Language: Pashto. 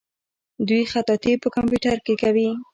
دوی خطاطي په کمپیوټر کې کوي.